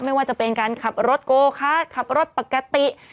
ไม่ว่าจะเป็นการขับรถโกคะขับรถปกติ